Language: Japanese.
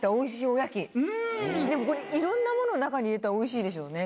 でもこれいろんなもの中に入れたらおいしいでしょうね